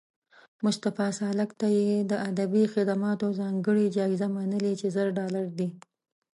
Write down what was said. مصطفی سالک ته یې د ادبي خدماتو ځانګړې جایزه منلې چې زر ډالره دي